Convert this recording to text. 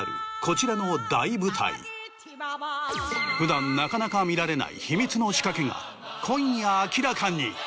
普段なかなか見られない秘密の仕掛けが今夜明らかに！